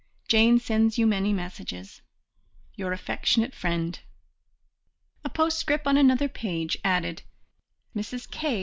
Jane sends you many messages. "Your affectionate friend." A postscript on another page added: "Mrs. K.